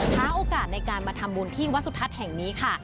หาโอกาสในการมาทำบุญที่วัดสุทัศน์แห่งนี้ค่ะ